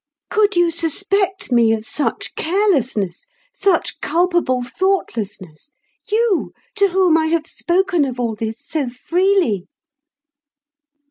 Could you suspect me of such carelessness?—such culpable thoughtlessness?—you, to whom I have spoken of all this so freely?"